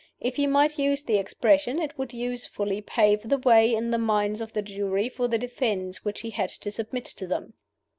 If he might use the expression, it would usefully pave the way in the minds of the jury for the defense which he had to submit to them.